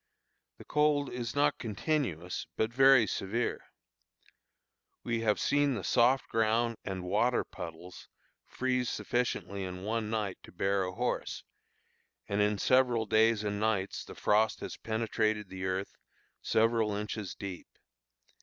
The cold is not continuous, but very severe. We have seen the soft ground and water puddles freeze sufficiently in one night to bear a horse; and in several days and nights the frost has penetrated the earth several inches deep.